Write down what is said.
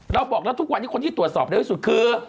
เราบอกแล้วทุกวันที่คนที่ตรวจสอบได้วิสุทธิ์คือ